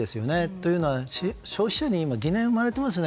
というのは、消費者に疑念が生まれていますよね。